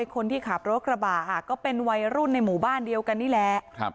คนที่ขับรถกระบะก็เป็นวัยรุ่นในหมู่บ้านเดียวกันนี่แหละ